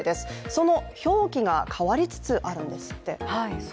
その表記が変わりつつあるんですって。